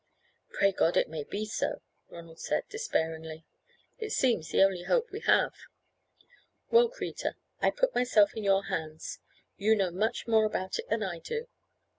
"Pray God it may be so," Ronald said, despairingly. "It seems the only hope we have. Well, Kreta, I put myself in your hands. You know much more about it than I do.